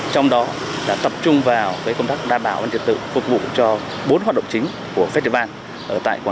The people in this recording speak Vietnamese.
trong đó đã tập trung vào công tác đảm bảo